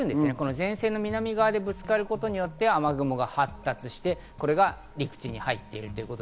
前線の南側でぶつかることで雨雲が発達してこれが陸地に入っている。